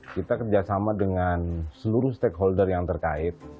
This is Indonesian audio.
kita kerjasama dengan seluruh stakeholder yang terkait